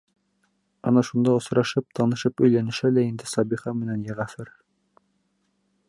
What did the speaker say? Ана шунда осрашып, танышып өйләнешә лә инде Сабиха менән Йәғәфәр.